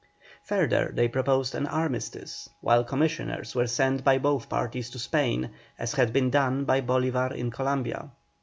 Further, they proposed an armistice, while commissioners were sent by both parties to Spain, as had been done by Bolívar in Columbia.